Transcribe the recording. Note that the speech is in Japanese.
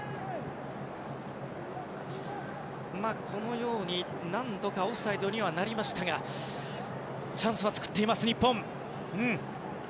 このように、何度かオフサイドにはなりましたがチャンスは作っている、日本。